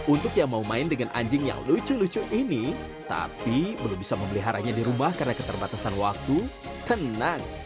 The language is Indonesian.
untuk yang mau main dengan anjing yang lucu lucu ini tapi belum bisa memeliharanya di rumah karena keterbatasan waktu tenang